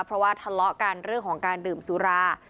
เพราะว่าทะเลาะกันเรื่องของการดื่มสุรา